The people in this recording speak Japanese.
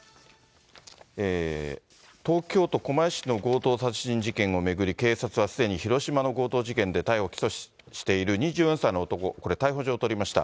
東京都狛江市の強盗殺人事件を巡り、警察はすでに広島の強盗事件で逮捕・起訴している２４歳の男、これ逮捕状取りました。